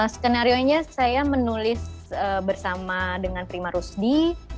skenarionya saya menulis bersama dengan prima rusdi